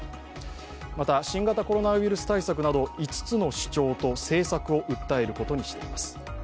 また、新型コロナウイルス対策など５つの主張と政策を訴えることにしています。